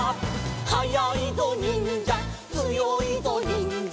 「はやいぞにんじゃつよいぞにんじゃ」